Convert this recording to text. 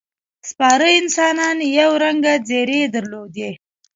سپاره انسانان یو رنګه ځېرې درلودې.